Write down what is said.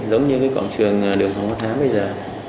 giống như cái quảng trường đường phong văn thám bây giờ